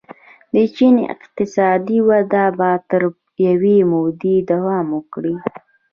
د چین اقتصادي وده به تر یوې مودې دوام وکړي.